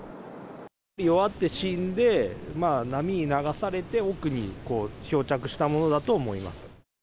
弱って死んで、波に流されて奥に漂着したものだと思います。